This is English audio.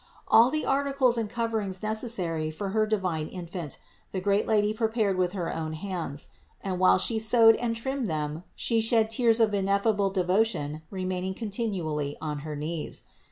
All the articles and coverings necessary for her divine Infant the great Lady prepared with her own hands, and while She sewed and trimmed them She shed tears of ineffable devotion remaining continually on her knees.